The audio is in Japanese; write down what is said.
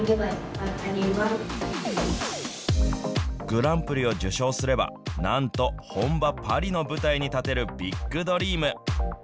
グランプリを受賞すれば、なんと、本場パリの舞台に立てるビッグドリーム。